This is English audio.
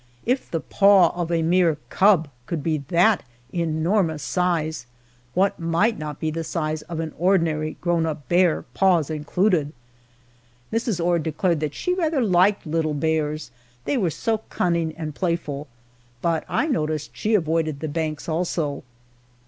If the paw of a mere "cub" could be that enormous size, what might not be the size of an ordinary grown up bear, paws included! Mrs. Ord declared that she rather liked little bears they were so cunning and playful but I noticed she avoided the banks, also.